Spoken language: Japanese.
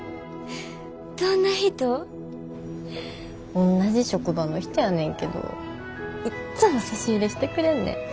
おんなじ職場の人やねんけどいっつも差し入れしてくれんねん。